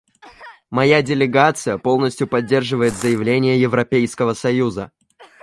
Моя делегация полностью поддерживает заявление Европейского союза.